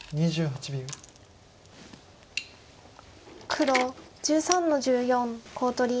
黒１３の十四コウ取り。